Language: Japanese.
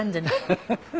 アハハハ。